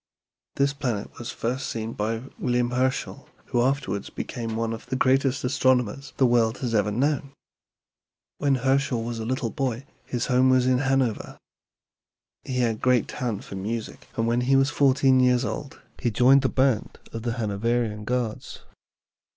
This planet was first seen by William Herschel, who afterwards became one of the greatest astronomers the world has ever known. When Herschel was a little boy his home was in Hanover. He had great talent for music, and when he was fourteen years old he joined the band of the Hanoverian Guards.